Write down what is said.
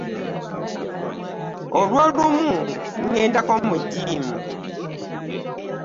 Olw'olumu ŋŋendako mu jjiimu.